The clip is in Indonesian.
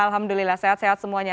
alhamdulillah sehat sehat semuanya